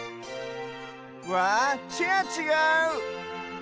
わあチェアちがう！